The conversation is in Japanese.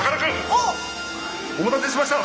お待たせしました！